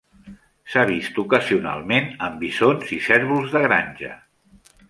S'ha vist ocasionalment en bisons i cérvols de granja.